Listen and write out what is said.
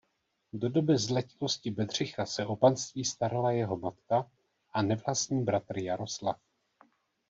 Do doby zletilosti Bedřicha se o panství starala jeho matka a nevlastní bratr Jaroslav.